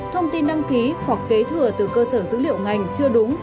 thông tin đăng ký hoặc kế thừa từ cơ sở dữ liệu ngành chưa đúng